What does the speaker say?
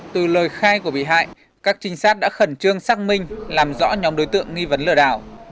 từ lời khai của bị hại các trinh sát đã khẩn trương xác minh làm rõ nhóm đối tượng nghi vấn lừa đảo